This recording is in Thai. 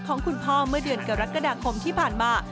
ของคุณพ่อเมื่อเดือนกรกฎาคมที่ผ่านมา